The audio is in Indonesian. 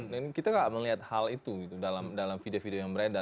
dan kita melihat hal itu dalam video video yang beredar